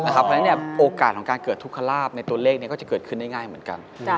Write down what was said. เพราะฉะนั้นโอกาสของการเกิดทุกขลาบในตัวเลขก็จะเกิดขึ้นได้ง่ายเหมือนกัน